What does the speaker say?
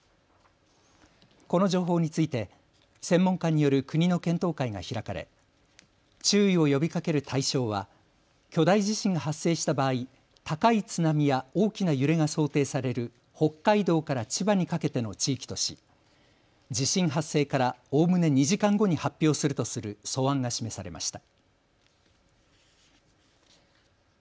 この情報について専門家による国の検討会が開かれ注意を呼びかける対象は巨大地震が発生した場合、高い津波や大きな揺れが想定される北海道から千葉にかけての地域とし、地震発生からおおむね２時間後に発表するとする素案が示されました。